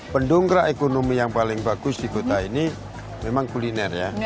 pendongkrak ekonomi yang paling bagus di kota ini memang kuliner ya